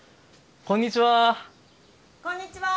こんにちは！